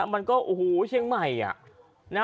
มันก็โอ้โหเชียงใหม่